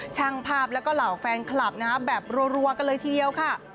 ช่างภาพแล้วก็เหล่าแฟนคลับนะฮะแบบรัวกันเลยทีเดียวค่ะ